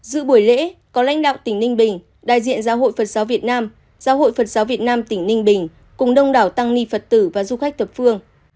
dự buổi lễ có lãnh đạo tỉnh ninh bình đại diện giáo hội phật giáo việt nam giáo hội phật giáo việt nam tỉnh ninh bình cùng đông đảo tăng ni phật tử và du khách thập phương